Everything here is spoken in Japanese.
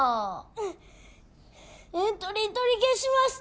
うっエントリー取り消します。